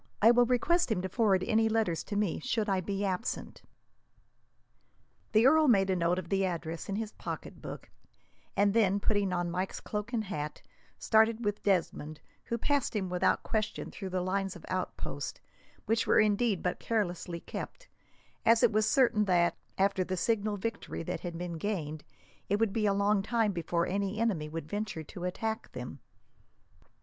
I will request him to forward any letters to me, should I be absent." The earl made a note of the address in his pocketbook, and then, putting on Mike's cloak and hat, started with Desmond, who passed him without question through the lines of outposts; which were indeed but carelessly kept, as it was certain that, after the signal victory that had been gained, it would be a long time before any enemy would venture to attack them.